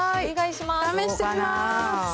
試してみます。